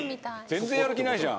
全然やる気ないじゃん。